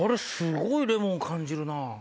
すごいレモン感じるな。